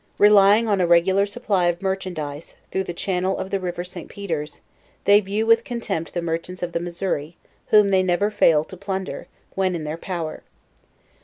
Relying on a regular supply of mer chandise, through the channel of the river St. Peters, they view with contempt the merchants of the Missouri, whom they never fail to plunder, when in their power.